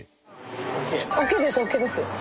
ＯＫですＯＫです！